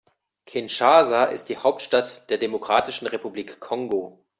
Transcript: Kinshasa ist die Hauptstadt der Demokratischen Republik Kongo.